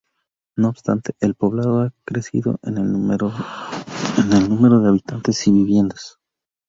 No obstante, el poblado ha crecido en el número de habitantes y viviendas.